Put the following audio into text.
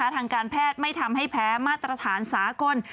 ทางการแพทย์ไม่ทำให้แพ้มาตรฐานสากล